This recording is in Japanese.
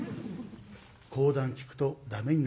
講談聴くと駄目になるよ。